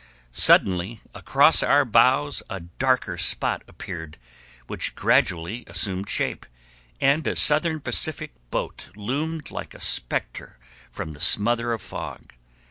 Suddenly across our bows a darker spot appeared, which gradually assumed shape, and a Southern Pacific boat loomed like a specter from the smother of fog.